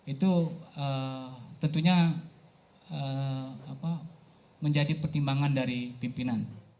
itu tentunya menjadi pertimbangan dari pimpinan